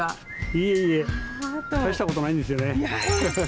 いえいえたいしたことないんですよね。